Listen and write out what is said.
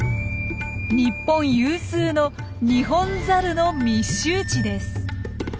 日本有数のニホンザルの密集地です。